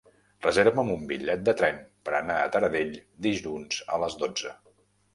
Reserva'm un bitllet de tren per anar a Taradell dilluns a les dotze.